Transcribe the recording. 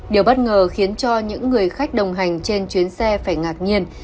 điều bất ngờ khiến cho những người khách đồng hành trên chuyến xe phải ngạc nhiên